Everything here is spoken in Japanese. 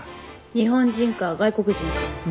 日本人か外国人か。